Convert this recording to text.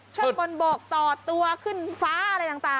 ชนบนบกต่อตัวขึ้นฟ้าอะไรต่าง